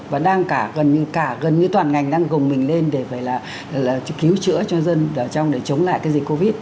và đang cả gần như toàn ngành đang gồng mình lên để phải là cứu chữa cho dân để chống lại cái dịch covid